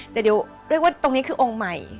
แต่เดี๋ยวเรียกว่าตรงนี้คือองค์ใหม่